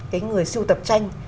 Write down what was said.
cái người siêu tập tranh